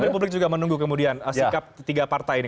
tapi publik juga menunggu kemudian sikap tiga partai ini